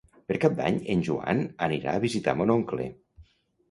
Per Cap d'Any en Joan anirà a visitar mon oncle.